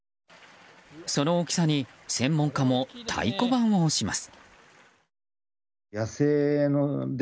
その大きさに専門家も太鼓判を押します。